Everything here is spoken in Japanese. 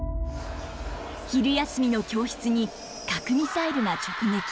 昼休みの教室に核ミサイルが直撃。